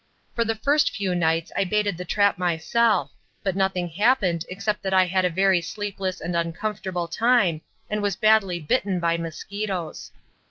For the first few nights I baited the trap myself, but nothing happened except that I had a very sleepless and uncomfortable time, and was badly bitten by mosquitoes.